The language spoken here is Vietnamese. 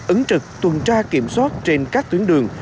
ứng trực tuần tra kiểm soát trên các tuyến đường